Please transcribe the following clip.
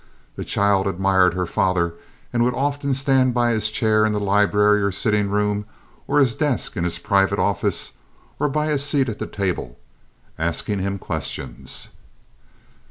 The child admired her father and would often stand by his chair in the library or the sitting room, or his desk in his private office, or by his seat at the table, asking him questions.